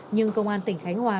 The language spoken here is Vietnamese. nhưng công an tỉnh khánh hòa